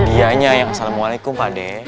ianya yang waalaikumsalam padeh